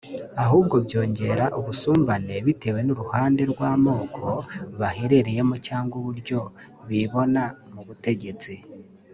ahubwo byongera ubusumbane bitewe n’uruhande rw’amoko baherereyemo cyangwa uburyo bibona mubutegetsi